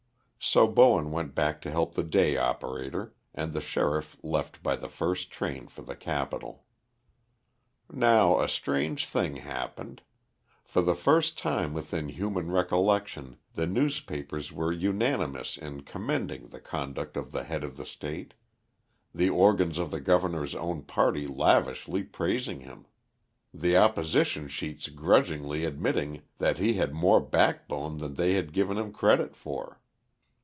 So Bowen went back to help the day operator, and the sheriff left by the first train for the capital. Now a strange thing happened. For the first time within human recollection the newspapers were unanimous in commending the conduct of the head of the State, the organs of the governor's own party lavishly praising him; the opposition sheets grudgingly admitting that he had more backbone than they had given him credit for.